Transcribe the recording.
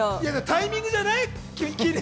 タイミングじゃない？